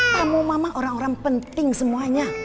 kamu mama orang orang penting semuanya